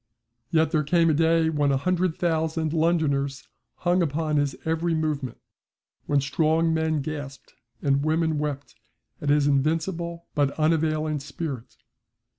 Yet there came a day when a hundred thousand Londoners hung upon his every movement when strong men gasped and women wept at his invincible but unavailing spirit.